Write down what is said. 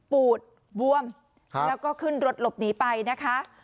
ปูดบวมแล้วก็ขึ้นรถหลบหนีไปนะคะ